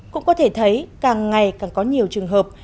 cũng có thể thấy càng ngày càng có nhiều trường hợp